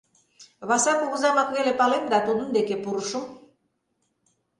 Васа кугызамак веле палем да тудын деке пурышым.